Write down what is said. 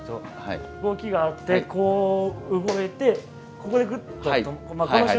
動きがあってこう動いてここでグッと止まる。